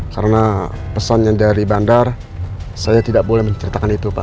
karena pesan yang dari bandar saya tidak boleh menceritakan itu pak